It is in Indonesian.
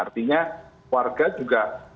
artinya warga juga